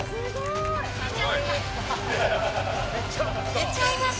出ちゃいまし